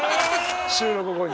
収録後に。